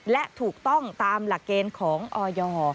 และถูกต้องตามหลักเกณฑ์ของออย